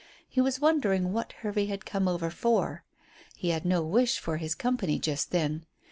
He was wondering what Hervey had come over for. He had no wish for his company just then.